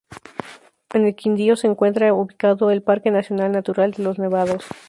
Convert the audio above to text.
En el Quindío se encuentra ubicado el Parque nacional natural Los Nevados.